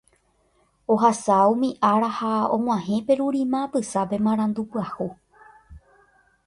Ohasa umi ára ha og̃uahẽ Perurima apysápe marandu pyahu.